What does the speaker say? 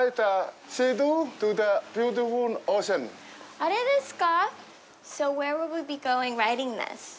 あれですか？